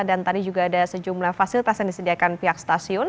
dan tadi juga ada sejumlah fasilitas yang disediakan pihak stasiun